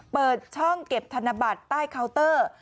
เปิดช่องเก็บธนบัตรใต้เคาน์เตอร์